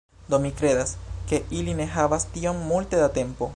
Do, mi kredas, ke ili ne havas tiom multe da tempo